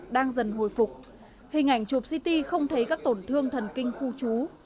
đang dần hồi phục hình ảnh chụp ct không thấy các tổn thương thần kinh khu trú